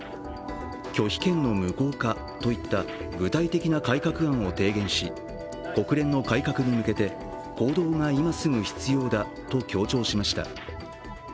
拒否権の無効化といった具体的な改革案を提言し国連の改革に向けて行動が今すぐ必要だと強調しました。